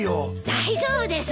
大丈夫です。